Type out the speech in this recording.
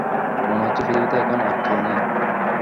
মনে হচ্ছে পৃথিবীতে এখন আর কেউ নেই।